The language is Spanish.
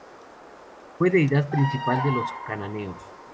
Fue deidad principal de los cananeos.